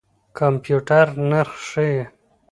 کمپيوټر نرخ ښيي.